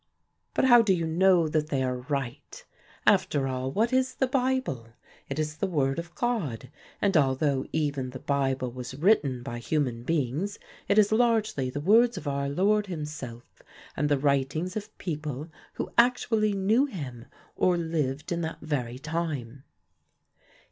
"But how do you know that they are right? After all, what is the Bible? It is the word of God, and although even the Bible was written by human beings, it is largely the words of our Lord himself and the writings of people who actually knew him or lived in that very time."